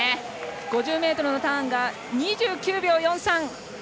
５０ｍのターンが２９秒４３。